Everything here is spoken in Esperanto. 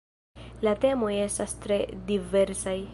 La temoj estas tre diversaj.